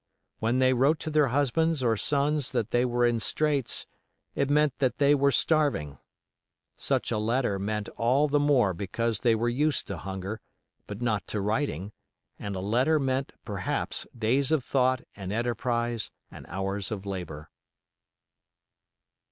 When they wrote to their husbands or sons that they were in straits, it meant that they were starving. Such a letter meant all the more because they were used to hunger, but not to writing, and a letter meant perhaps days of thought and enterprise and hours of labor.